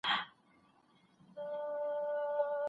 د ښځو د عزت د ساتني اوملاتړ لپاره دقذف حد وضع سوی دی.